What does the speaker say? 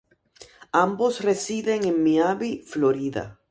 Ambos residen en Miami, Florida.